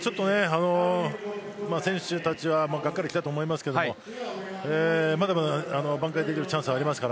選手たちはがっかりきたと思いますがまだまだ挽回できるチャンスはあります。